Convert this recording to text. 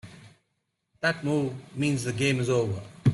That move means the game is over.